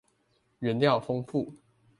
原料豐富